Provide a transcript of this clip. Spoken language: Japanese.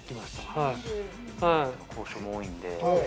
交渉も多いんで。